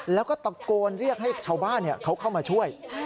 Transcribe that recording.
แล้วก็ตะโกนเรียกให้ชาวบ้านเขาเข้ามาช่วย